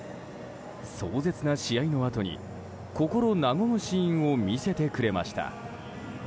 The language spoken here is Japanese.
壮絶な試合のあとに心和むシーンを見せてくれました。